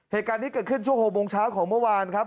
เหตุการณ์นี้เกิดขึ้นช่วง๖โมงเช้าของเมื่อวานครับ